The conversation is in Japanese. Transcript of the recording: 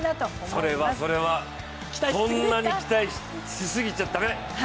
それはそれは、そんなに期待しすぎちゃ駄目！